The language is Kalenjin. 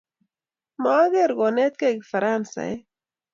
Ma ang'er kenetgei Faransaek